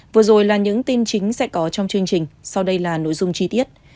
vừa rồi là những tin chính sẽ có trong chương trình sau đây là nội dung chi tiết